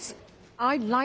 はい。